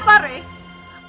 apa kamu ketemu naura disini